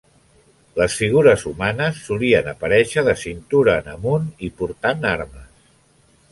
Les figures humanes solien aparèixer de cintura en amunt i portant armes.